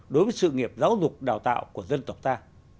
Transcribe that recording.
đối với sự nghiệp giáo dục đào tạo của dân tộc ta